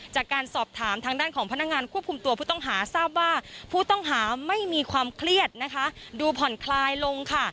จากการสอบถามทางด้านของพนักงานควบคุมตัวผู้ต้องหาทราบว่าผู้ต้องหาไม่มีความเครียดนะคะดูผ่อนคลายลงค่ะ